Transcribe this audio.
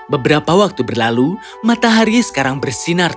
beberapa waktu berlalu matahari sekarang bersinar